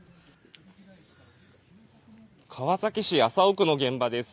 川崎市麻生区の現場です。